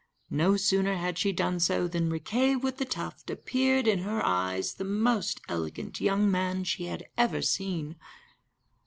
No sooner had she done so than Riquet with the Tuft appeared in her eyes the most elegant young man she had ever seen.